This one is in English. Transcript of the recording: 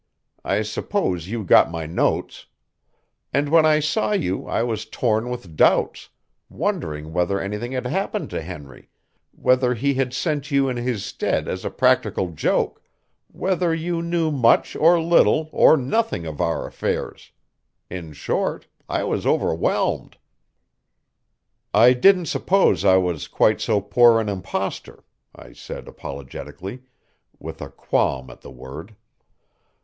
I suppose you got my notes. And when I saw you I was torn with doubts, wondering whether anything had happened to Henry, whether he had sent you in his stead as a practical joke, whether you knew much or little or nothing of our affairs in short, I was overwhelmed." "I didn't suppose I was quite so poor an impostor," I said apologetically, with a qualm at the word.